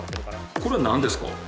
これは何ですか？